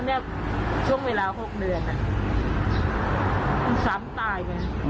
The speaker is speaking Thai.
แล้วช่วงเวลา๖เดือนองค์๓ตาย